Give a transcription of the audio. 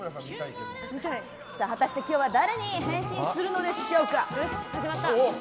果たして今日は誰に変身するのでしょうか。